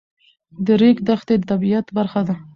د ریګ دښتې د طبیعت برخه ده.